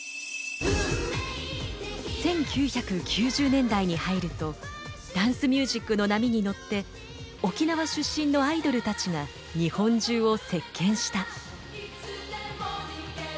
１９９０年代に入るとダンスミュージックの波に乗って沖縄出身のアイドルたちが日本中を席けんした。